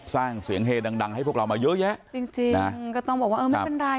สร้างเสียงเฮดังดังให้พวกเรามาเยอะแยะจริงจริงก็ต้องบอกว่าเออไม่เป็นไร